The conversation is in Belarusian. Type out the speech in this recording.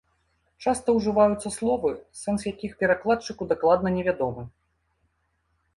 Часта ўжываюцца словы, сэнс якіх перакладчыку дакладна невядомы.